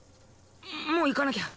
もう行かなきゃ。